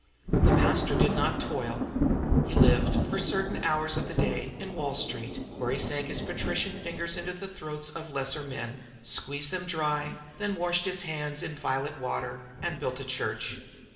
The master did not toil. He lived, for certain hours of the day, in Wall Street, where he sank his patrician fingers into the throats of lesser men, squeezed them dry, then washed his hands in violet water, and built a church.